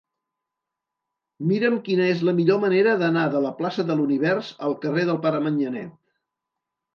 Mira'm quina és la millor manera d'anar de la plaça de l'Univers al carrer del Pare Manyanet.